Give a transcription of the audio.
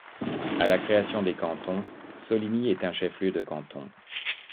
À la création des cantons, Soligny_ est chef-lieu de canton.